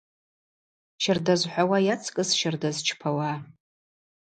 Щарда зхӏвауа йацкӏыс щарда зчпауа.